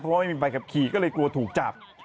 เพราะว่าไม่มีใบขับขี่ก็เลยกลัวถูกจับ